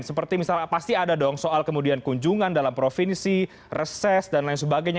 seperti misalnya pasti ada dong soal kemudian kunjungan dalam provinsi reses dan lain sebagainya